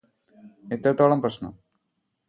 എത്രത്തോളം പ്രശ്നം